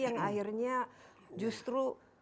yang akhirnya justru